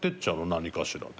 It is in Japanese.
何かしらで。